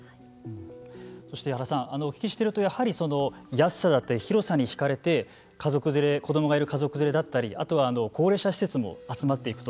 そして秦さんお聞きしていると安さだったり広さにひかれて家族連れ、子どもがいる家族連れだったり高齢者施設も集まっていくと。